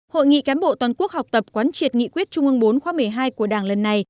hội nghị cán bộ toàn quốc học tập quán triệt nghị quyết trung ương bốn khóa một mươi hai của đảng lần này